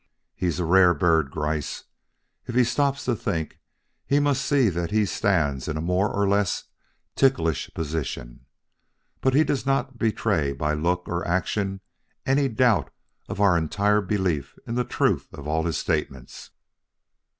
He's a rare bird, Gryce. If he stops to think, he must see that he stands in a more or less ticklish position. But he does not betray by look or action any doubt of our entire belief in the truth of all his statements.